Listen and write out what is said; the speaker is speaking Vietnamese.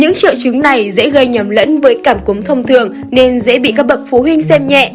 những triệu chứng này dễ gây nhầm lẫn với cảm cúm thông thường nên dễ bị các bậc phụ huynh xem nhẹ